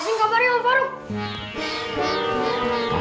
kok diberesin kabarnya orang baru